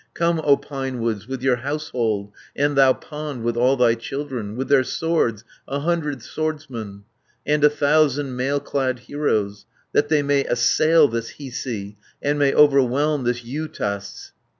Come, O pinewoods, with your household, And thou pond with all thy children, With their swords a hundred swordsmen, And a thousand mail clad heroes, That they may assail this Hiisi, And may overwhelm this Juutas!